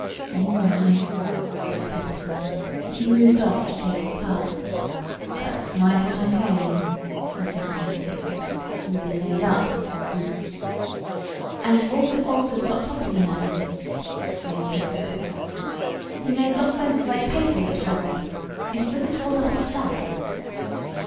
"All right!" sighed Pepper Sneed, as he moved off to take his part. "But, mind what I'm telling you," he said to Miss Dixon. "You'll be laid up for a week." "An' it all de fault of dot property man!" exclaimed Mr. Switzer. "He made dot fence like paper yet alretty! It vouldn't holt up a fly!"